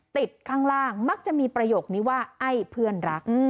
ติดข้างล่างมักจะมีประโยคนี้ว่าไอ้เพื่อนรัก